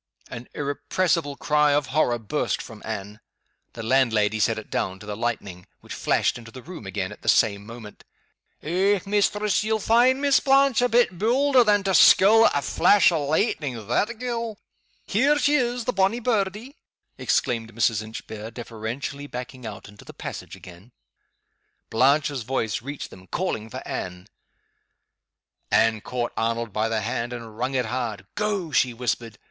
An irrepressible cry of horror burst from Anne. The landlady set it down to the lightning, which flashed into the room again at the same moment. "Eh, mistress! ye'll find Miss Blanche a bit baulder than to skirl at a flash o' lightning, that gait! Here she is, the bonny birdie!" exclaimed Mrs. Inchbare, deferentially backing out into the passage again. Blanche's voice reached them, calling for Anne. Anne caught Arnold by the hand and wrung it hard. "Go!" she whispered.